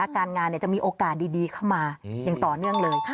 การงานจะมีโอกาสดีเข้ามาอย่างต่อเนื่องเลย